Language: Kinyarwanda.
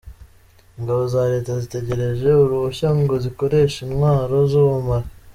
Ingabo za Leta zitegereje uruhushya ngo zikoreshe intwaro z’ubumara